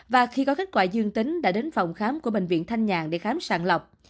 và khi có kết quả dương tính đã đến phòng khám của bệnh viện thanh nhàn để khám sàng lọc